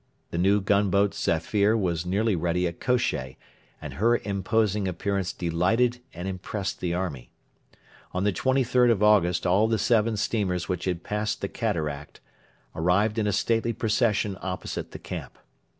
The new gunboat Zafir was nearly ready at Kosheh, and her imposing appearance delighted and impressed the army. On the 23rd of August all the seven steamers which had passed the Cataract arrived in a stately procession opposite the camp.